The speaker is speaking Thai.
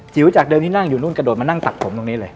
จากเดิมที่นั่งอยู่นู่นกระโดดมานั่งตัดผมตรงนี้เลย